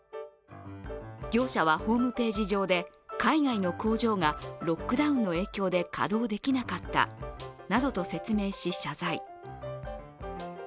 業者はホームページ上で、海外の工場がロックダウンの影響で稼働できなかったなどと説明し、謝罪。